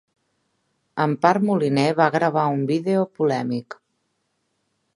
Empar Moliner va gravar un vídeo polèmic